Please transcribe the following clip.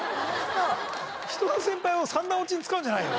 人の先輩を三段オチに使うんじゃないよ